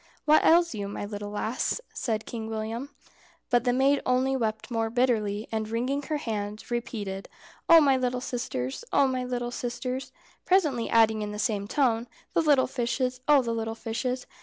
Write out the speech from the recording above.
"What ails you, my little lass?" said Kind William. But the maid only wept more bitterly, and wringing her hands, repeated, "Oh, my little sisters! Oh, my little sisters!" presently adding in the same tone, "The little fishes! Oh, the little fishes!"